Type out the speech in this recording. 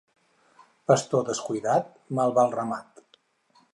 Pastor descuidat, mal va el ramat.